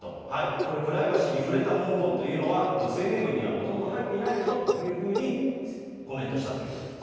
これ、プライバシーに触れた文言というのはこの声明文にはもともと入っていないでしょというふうにコメントしたということです。